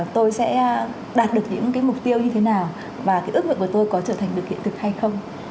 tôi sẽ đạt được những mục tiêu như thế nào và ước mực của tôi có trở thành được hiện thực hay không